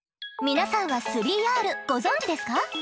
皆さんは「３Ｒ」ご存じですか？